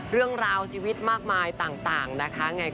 เรื่องราวชีวิตมากมายต่างนะคะ